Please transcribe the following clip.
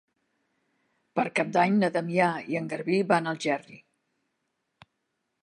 Per Cap d'Any na Damià i en Garbí van a Algerri.